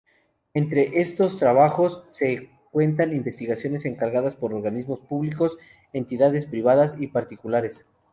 Entre esos trabajos, se cuentan investigaciones encargadas por organismos públicos, entidades privadas y particulares.